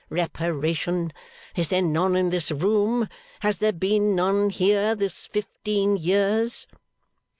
Reparation! Is there none in this room? Has there been none here this fifteen years?